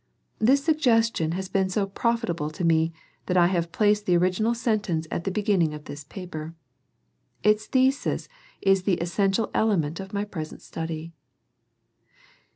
This suggestion has been so profitable to me that I have placed the original sentence at the beginning of this paper. Its thesis is the essential element of my present study.